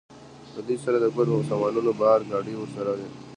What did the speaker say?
له دوی سره د کور په سامانونو بار، ګاډۍ ورسره وې.